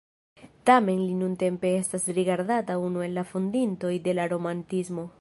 Tamen li nuntempe estas rigardata unu el la fondintoj de la romantismo.